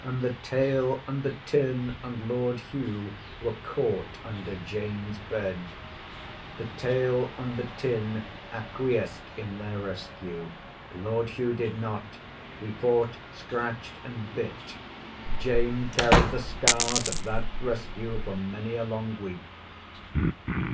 and the tail and the tin and Lord Hugh were caught under Jane's bed. The tail and the tin acquiesced in their rescue. Lord Hugh did not. He fought, scratched, and bit. Jane carried the scars of that rescue for many a long week.